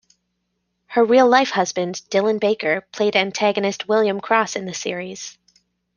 Her real-life husband, Dylan Baker, played antagonist William Cross in the series.